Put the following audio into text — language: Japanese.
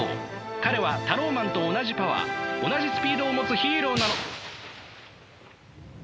彼はタローマンと同じパワー同じスピードを持つヒーローなの。